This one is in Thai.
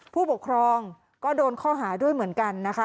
ผู้ปกครองก็โดนข้อหาด้วยเหมือนกันนะคะ